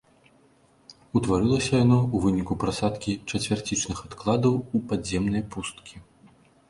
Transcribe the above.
Утварылася яно ў выніку прасадкі чацвярцічных адкладаў у падземныя пусткі.